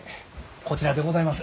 こちらでございます。